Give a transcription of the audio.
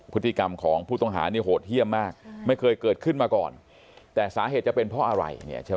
พฤติกรรมของผู้ต้องหาเนี่ยโหดเยี่ยมมากไม่เคยเกิดขึ้นมาก่อนแต่สาเหตุจะเป็นเพราะอะไรเนี่ยใช่ไหม